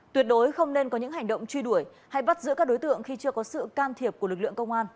tuyệt đối không nên có những hành động truy đuổi hay bắt giữ các đối tượng khi chưa có sự can thiệp của lực lượng công an